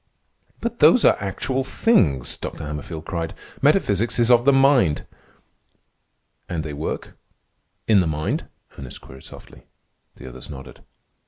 "But those are actual things!" Dr. Hammerfield cried. "Metaphysics is of the mind." "And they work—in the mind?" Ernest queried softly. The other nodded.